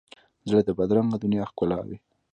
زړه د بدرنګه دنیا ښکلاوي.